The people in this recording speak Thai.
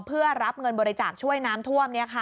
เพื่อรับเงินบริจาคช่วยน้ำท่วม